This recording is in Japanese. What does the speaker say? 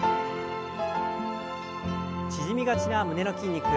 縮みがちな胸の筋肉。